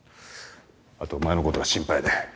あとお前のことが心配で。